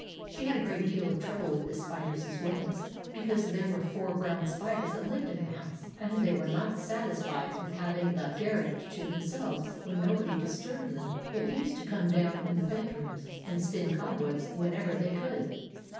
She had a great deal of trouble with the spiders' webs, because there were four brown spiders that lived in the house, and they were not satisfied with having the gar 102 THE ADVENTURES OF MABEL ret to themselves, where nobody disturbed them, but used to come down into the bed rooms and spin cobwebs whenever they could.